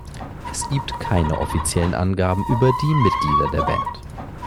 Es gibt keine offiziellen Angaben über die Mitglieder der Band.